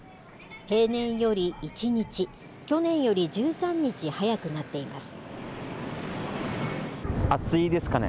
平年より１日、去年より１３日早くなっています。